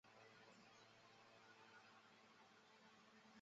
联合国大会通过并颁布《世界人权宣言》。